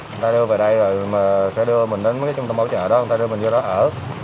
người ta đưa về đây rồi mà sẽ đưa mình đến mấy cái trung tâm bảo trợ đó người ta đưa mình vô đó ở